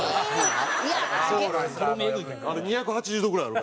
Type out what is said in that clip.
２８０度ぐらいあるから。